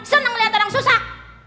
seneng ngeliat orang susah